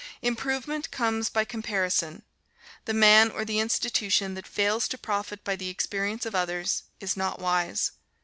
Improvement comes by comparison. The man, or the institution, that fails to profit by the experience of others, is not wise.